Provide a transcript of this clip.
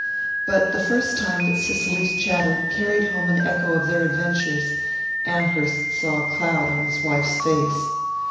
But the first time that Cicely's chatter carried home an echo of their adventures, Amherst saw a cloud on his wife's face.